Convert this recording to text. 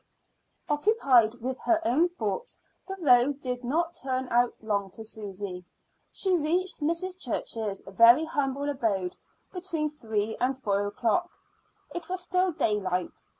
Occupied with her own thoughts, the road did not turn out long to Susy. She reached Mrs. Church's very humble abode between three and four o'clock. It was still daylight.